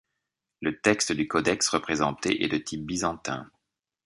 Le texte du codex représenté est de type byzantin.